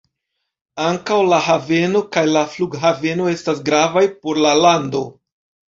Ankaŭ la haveno kaj la flughaveno estas gravaj por la lando.